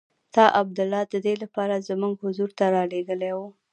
تا عبدالله د دې لپاره زموږ حضور ته رالېږلی وو.